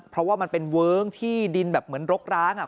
เพราะว่ามันเป็นเวิ้งที่ดินแบบเหมือนรกร้างอ่ะ